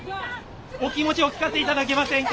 お気持ちお聞かせ頂けませんか？